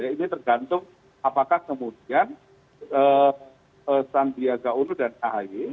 ini tergantung apakah kemudian sandiaga unu dan ahaye